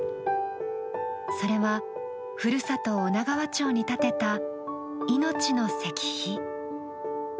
それは、故郷・女川町に立てた命の石碑。